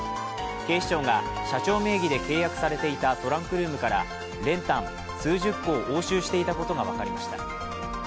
警視庁が社長名義で契約されていたトランクルームから練炭数十個を押収していたことが分かりました。